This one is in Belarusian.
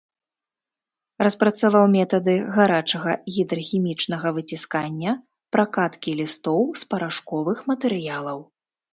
Распрацаваў метады гарачага гідрахімічнага выціскання, пракаткі лістоў з парашковых матэрыялаў.